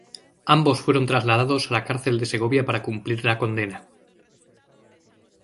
Ambos fueron trasladados a la cárcel de Segovia para cumplir la condena.